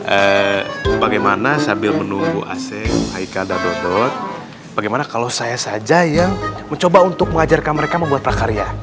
ee bagaimana sambil menunggu aseng ika dan dodot bagaimana kalau saya saja yang mencoba untuk mengajarkan mereka membuat prakarya